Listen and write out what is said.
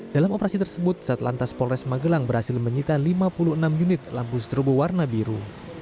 dalam operasi tersebut satlantas polres magelang berhasil menyita lima puluh enam unit lampu strobo warna biru